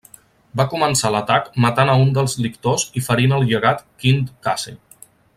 Va començar l'atac matant a un dels lictors i ferint al llegat Quint Cassi.